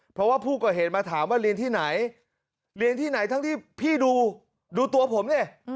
เพราะว่าผู้ก่อเหตุมาถามว่าเรียนที่ไหนเรียนที่ไหนทั้งที่พี่ดูตัวผมดิ